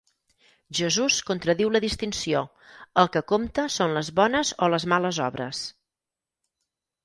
Jesús contradiu la distinció, el que compta són les bones o les males obres.